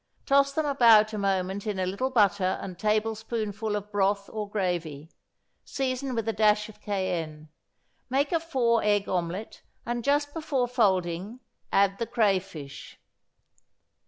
Toss them about a moment in a little butter and tablespoonful of broth or gravy; season with a dash of cayenne. Make a four egg omelet, and just before folding add the crayfish.